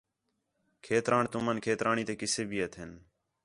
کھیتران تُمن کھیترانی تے قصے بھی ہتھین